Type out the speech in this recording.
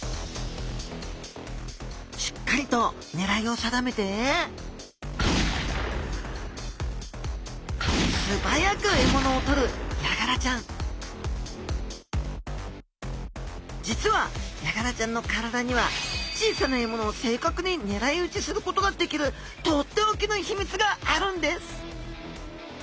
しっかりとねらいを定めて素早く獲物をとるヤガラちゃん実はヤガラちゃんの体には小さな獲物を正確にねらい撃ちすることができるとっておきの秘密があるんです！